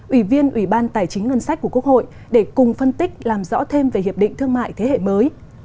ủy viên ủy ban tài chính ngân sách của quốc hội để cùng phân tích làm rõ thêm về hiệp định thương mại thế hệ mới